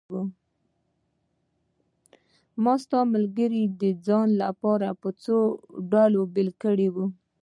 ما ستا ملګري د ځان لپاره په څو ډلو بېل کړي وو.